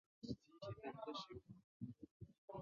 拿督潘健成